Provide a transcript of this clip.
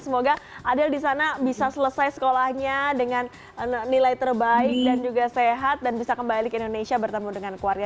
semoga adel di sana bisa selesai sekolahnya dengan nilai terbaik dan juga sehat dan bisa kembali ke indonesia bertemu dengan keluarga